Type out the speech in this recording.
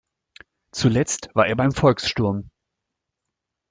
Zuletzt war er beim Volkssturm.